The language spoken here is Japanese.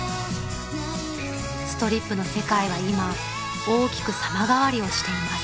［ストリップの世界は今大きく様変わりをしています］